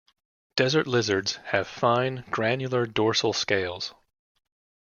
Desert lizards have fine, granular dorsal scales.